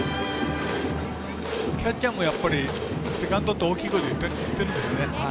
キャッチャーもセカンド！って大きい声で言ってるんですね。